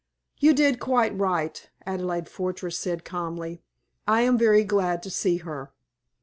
"You did quite right," Adelaide Fortress said, calmly. "I am very glad to see her."